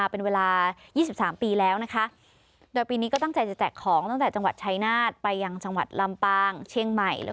โปรดติดตามตอนต่อไป